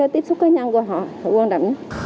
tiếp xúc với nhau của họ